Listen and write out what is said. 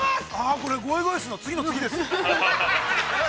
◆これ、ゴイゴイスーの次の次です。